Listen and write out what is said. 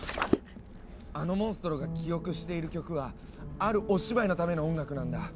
あのモンストロが記憶している曲はあるお芝居のための音楽なんだ。